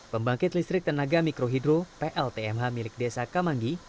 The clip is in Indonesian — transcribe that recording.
pembangkit listrik tenaga mikrohidro pltmh milik desa kamangi